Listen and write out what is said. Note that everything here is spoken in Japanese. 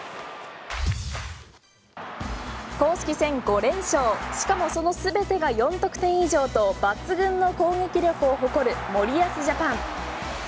公式戦５連勝しかもその全てが４得点以上と抜群の攻撃力を誇る森保ジャパン。